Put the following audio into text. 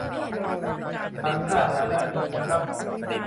งั้นถ้าฐานะดีกันนัก